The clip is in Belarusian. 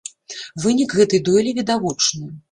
Вынік гэтай дуэлі відавочны.